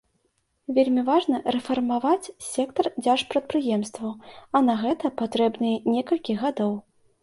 Вельмі важна рэфармаваць сектар дзяржпрадпрыемстваў, а на гэта патрэбныя некалькі гадоў.